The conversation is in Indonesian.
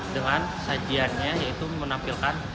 dengan sajiannya yaitu menampilkan